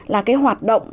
là cái hoạt động